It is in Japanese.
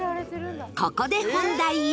ここで本題へ